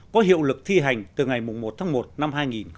có hiệu lực thi hành từ ngày một tháng một năm hai nghìn một mươi tám